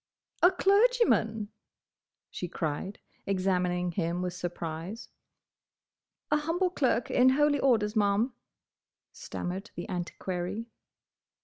"A clergyman!" she cried, examining him with surprise. "A humble clerk in holy orders, Ma'am," stammered the Antiquary.